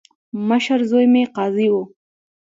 مشر زوی مې قاضي وو.